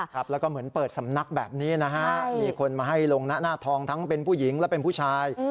ครับแล้วก็เหมือนเปิดสำนักแบบนี้นะฮะมีคนมาให้ลงหน้าทองทั้งเป็นผู้หญิงและเป็นผู้ชาย